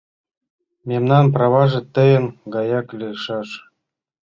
— Мемнан праваже тыйын гаяк лийшаш.